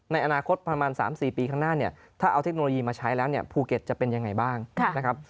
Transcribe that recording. ในอนาคตประมาณ๓๔ปีข้างหน้าเนี่ยถ้าเอาเทคโนโลยีมาใช้แล้วเนี่ยภูเก็ตจะเป็นยังไงบ้างนะครับ